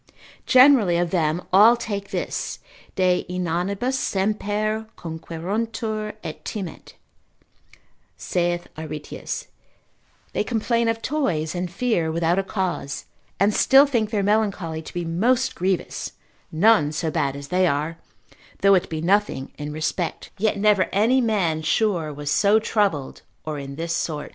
Generally of them all take this, de inanibus semper conqueruntur et timent, saith Aretius; they complain of toys, and fear without a cause, and still think their melancholy to be most grievous, none so bad as they are, though it be nothing in respect, yet never any man sure was so troubled, or in this sort.